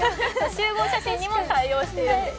集合写真にも対応しているんですね。